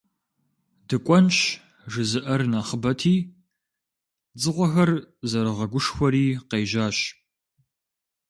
«ДыкӀуэнщ» жызыӀэр нэхъыбэти, дзыгъуэхэр зэрыгъэгушхуэри къежьащ.